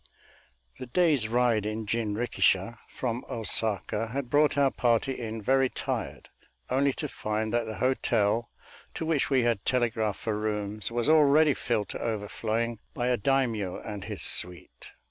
The day's ride in jinrikisha from Ōsaka had brought our party in very tired, only to find that the hotel to which we had telegraphed for rooms was already filled to overflowing by a daimiō and his suite.